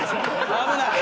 危ない。